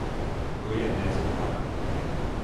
Goianésia do Pará